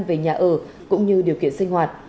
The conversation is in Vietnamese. về nhà ở cũng như điều kiện sinh hoạt